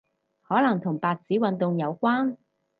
可能同白紙運動有關